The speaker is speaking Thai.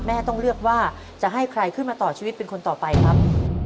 ต้องเลือกว่าจะให้ใครขึ้นมาต่อชีวิตเป็นคนต่อไปครับ